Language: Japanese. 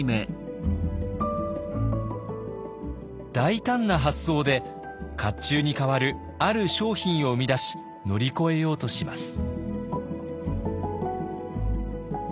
大胆な発想で甲冑に代わるある商品を生み出し乗り越えようとします。